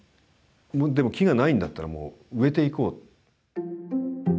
でも木がないんだったらもう植えていこう。